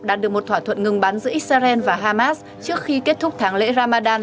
đạt được một thỏa thuận ngừng bắn giữa israel và hamas trước khi kết thúc tháng lễ ramadan